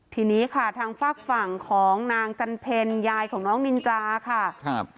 ทีนี้ค่ะทางฝากฝั่งของนางจันเพ็ญยายของน้องนินจาค่ะครับ